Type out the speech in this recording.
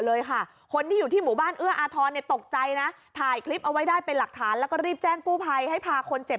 เลยค่ะคนที่อยู่ที่หมู่บ้านเอื้ออาทรเนี่ยตกใจนะถ่ายคลิปเอาไว้ได้เป็นหลักฐานแล้วก็รีบแจ้งกู้ภัยให้พาคนเจ็บ